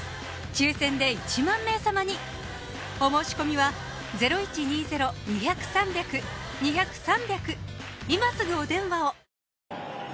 抽選で１万名様にお申し込みは今すぐお電話を！